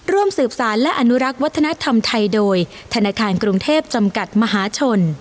ร่วมสืบสารและอนุรักษ์วัฒนธรรมไทยโดยธนาคารกรุงเทพจำกัดมหาชน